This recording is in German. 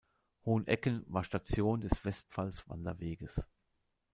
Hohenecken war Station des Westpfalz-Wanderweges.